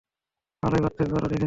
ভালোই বাঁধতে পারো দেখছি!